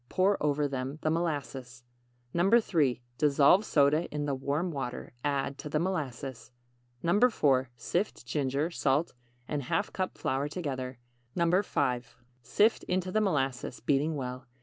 Pour over them the molasses. 3. Dissolve soda in the warm water. Add to the molasses. 4. Sift ginger, salt and ½ cup flour together. 5. Sift into the molasses, beating well.